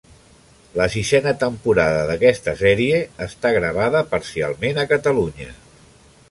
La sisena temporada d'aquesta sèrie està gravada parcialment a Catalunya.